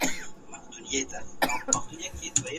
د اوبو بندونه د کرنې په وده کې مهم رول لري.